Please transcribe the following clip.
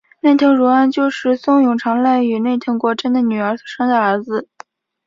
内藤如安就是松永长赖与内藤国贞的女儿所生的儿子。